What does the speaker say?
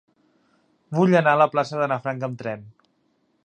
Vull anar a la plaça d'Anna Frank amb tren.